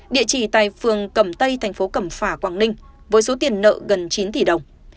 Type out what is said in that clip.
địa chỉ tại phường cẩm tây thành phố cẩm phả quảng ninh với số tiền nợ gần chín tỷ đồng